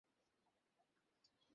কিন্তু বেঁচে গেলাম।